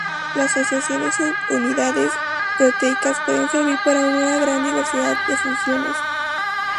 La asociación de subunidades proteicas puede servir para una gran diversidad de funciones.